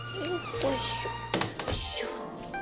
よいしょ。